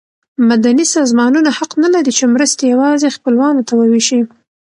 مدني سازمانونه حق نه لري چې مرستې یوازې خپلوانو ته وویشي.